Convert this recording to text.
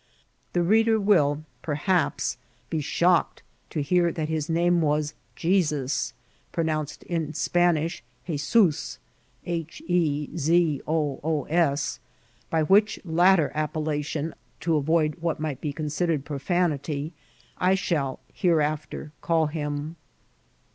The reader will perhaps be shocked to hear that his name was Jetta, pronounced in Spanish ^ezoos, by which latter appellati<m, to avoid what might be considered profenity, I shall hereafter call him.